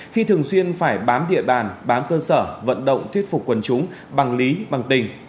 khi thường xuyên phải bám địa bàn bám cơ sở vận động thuyết phục quần chúng bằng lý bằng tình